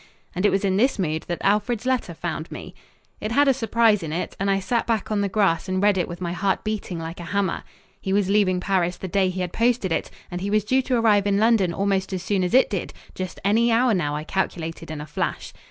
And it was in this mood that Alfred's letter found me. It had a surprise in it, and I sat back on the grass and read it with my heart beating like a hammer. He was leaving Paris the day he had posted it, and he was due to arrive in London almost as soon as it did, just any hour now I calculated in a flash.